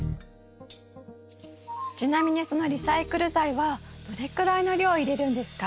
ちなみにそのリサイクル材はどれくらいの量を入れるんですか？